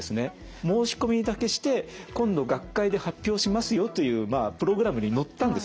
申し込みだけして今度学会で発表しますよというプログラムに載ったんですね。